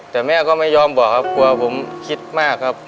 แต่แม่ก็ไม่ยอมบอกครับกลัวผมคิดมากครับ